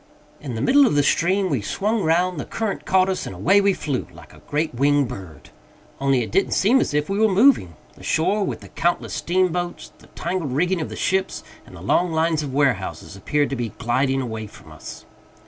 In the middle of the stream we swung round, the current caught us, and away we flew like a great winged bird. Only it didn't seem as if we were moving. The shore, with the countless steamboats, the tangled rigging of the ships, and the long lines of warehouses, appeared to be gliding away from us.